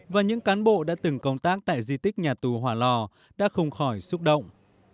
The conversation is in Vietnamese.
và những cán bộ đã từng công tác tại di tích nhà tù hỏa lò đã không khỏi xúc động